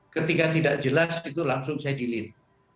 ketika tidak jelas itu langsung saya delay